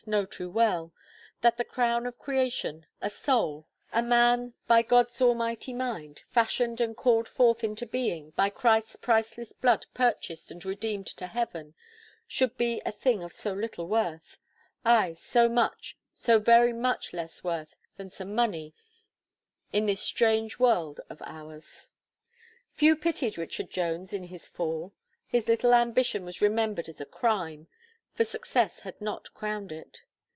know too well; that the crown of creation, a soul, a man by God's Almighty mind, fashioned and called forth into being, by Christ's priceless blood purchased and redeemed to Heaven, should be a thing of so little worth ay, so much, so very much less worth than some money, in this strange world of ours. Few pitied Richard Jones in his fall. His little ambition was remembered as a crime; for success had not crowned it.